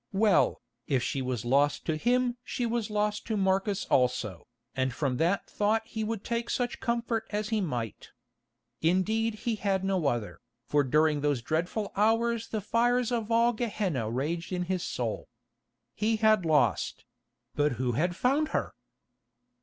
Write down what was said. Well, if she was lost to him she was lost to Marcus also, and from that thought he would take such comfort as he might. Indeed he had no other, for during those dreadful hours the fires of all Gehenna raged in his soul. He had lost—but who had found her?